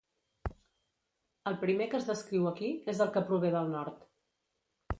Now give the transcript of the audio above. El primer que es descriu aquí és el que prové del nord.